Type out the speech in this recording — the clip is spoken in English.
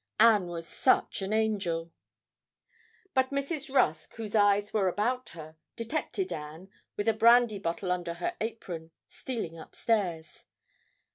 Anne was such an angel! But Mrs. Rusk, whose eyes were about her, detected Anne, with a brandy bottle under her apron, stealing up stairs.